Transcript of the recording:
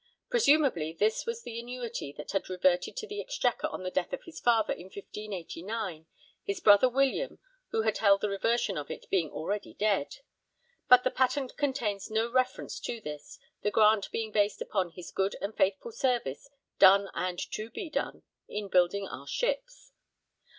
Presumably this was the annuity that had reverted to the Exchequer on the death of his father in 1589, his brother William, who had held the reversion of it, being already dead; but the patent contains no reference to this, the grant being based upon 'his good and faithful service done and to be done in building our ships.'